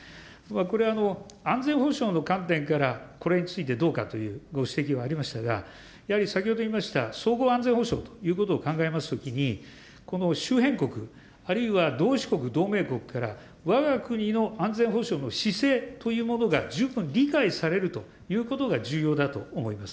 これ、安全保障の観点からこれについてどうかというご指摘がありましたが、やはり先ほど言いました総合安全保障ということを考えますときに、この周辺国、あるいは同志国、同盟国からわが国の安全保障の姿勢というものが十分理解されるということが重要だと思います。